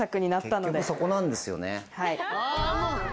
はい。